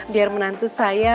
biar menantu saya